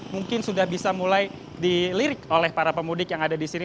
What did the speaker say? mungkin sudah bisa mulai dilirik oleh para pemudik yang ada di sini